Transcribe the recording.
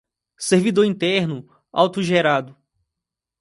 Servidor interno autogerado